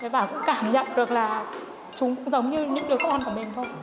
và cũng cảm nhận được là chúng cũng giống như những đứa con của mình thôi